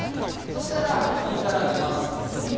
右から寝ます。